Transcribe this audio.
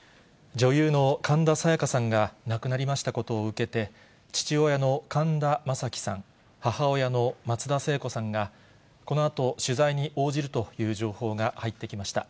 女優の神田沙也加さんが亡くなりましたことを受けて、父親の神田正輝さん、母親の松田聖子さんが、このあと取材に応じるという情報が入ってきました。